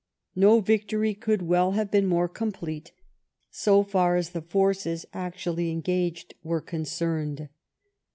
No victory could well have been more complete, so far as the forces actually engaged were concerned.